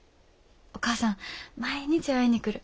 お母さん毎日会いに来る。